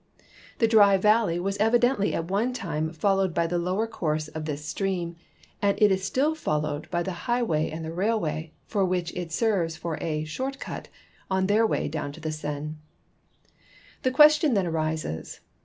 The dry valley was evidentl}' at one time fol lowed by the lower course of this stream, and it is still followed by tbe highway and the railway, for which it serves for a " short cut" on their way down the Seine. (See Plate XXI.) The question then arises.